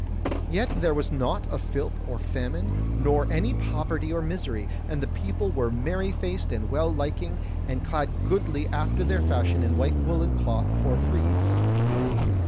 Yet was there naught of filth or famine, nor any poverty or misery; and the people were merry faced and well liking, and clad goodly after their fashion in white woollen cloth or frieze.